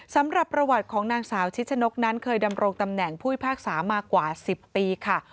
สำหรับประวัติของนางสาวชิชนกนั้นเคยดำรงตำแหน่งผู้พิพากษามากว่า๑๐ปีค่ะ